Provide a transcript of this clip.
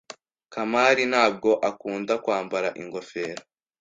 Kamari ntabwo akunda kwambara ingofero.